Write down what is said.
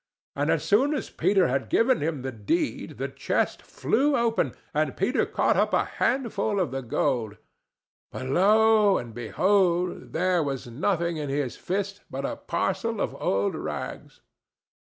And as soon as Peter had given him the deed the chest flew open, and Peter caught up a handful of the gold. But, lo and behold! there was nothing in his fist but a parcel of old rags."